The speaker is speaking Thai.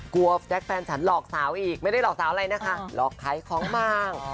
กลัวแจ๊คแฟนฉันหลอกสาวอีกไม่ได้หลอกสาวอะไรนะคะหลอกใครของมั่ง